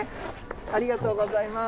ありがとうございます。